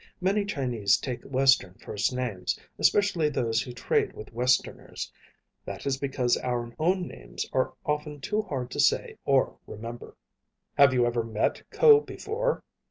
Many Chinese take western first names, especially those who trade with westerners. That is because our own names are often too hard to say or remember." "Have you ever met Ko before?"